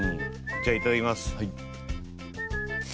じゃあいただきます。